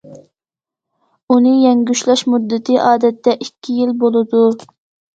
ئۇنى يەڭگۈشلەش مۇددىتى، ئادەتتە، ئىككى يىل بولىدۇ.